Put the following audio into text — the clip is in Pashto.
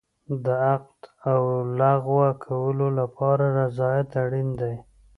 د عقد او لغوه کولو لپاره رضایت اړین دی.